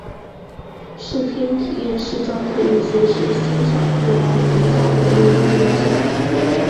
视听体验室中可以随时欣赏各代名家的录音录像。